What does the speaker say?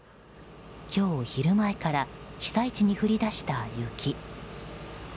今日昼前から被災地に降り出した雪。